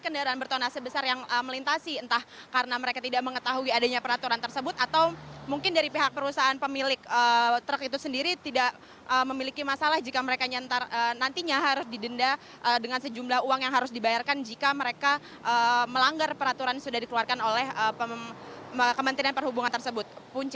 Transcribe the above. kendaraan bertona sebesar yang melintasi entah karena mereka tidak mengetahui adanya peraturan tersebut atau mungkin dari pihak perusahaan pemilik truk itu sendiri tidak memiliki masalah jika mereka nantinya harus didenda dengan sejumlah uang yang harus dibayarkan jika mereka melanggar peraturan sudah dikeluarkan oleh kementerian perhubungan tersebut